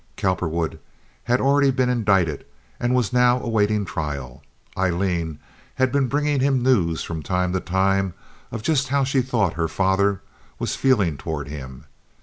Cowperwood had already been indicted, and was now awaiting trial. Aileen had been bringing him news, from time to time, of just how she thought her father was feeling toward him.